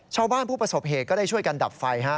ชาวบ้านผู้ประสบเหตุก็ได้ช่วยกันดับไฟฮะ